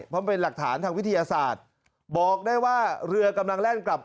เพราะมันเป็นหลักฐานทางวิทยาศาสตร์บอกได้ว่าเรือกำลังแล่นกลับ